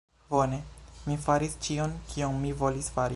Bone. Mi faris ĉion, kion mi volis fari.